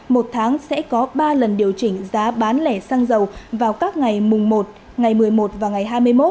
một tháng sẽ có ba lần điều chỉnh giá bán lẻ xăng dầu vào các ngày mùng một ngày một mươi một và ngày hai mươi một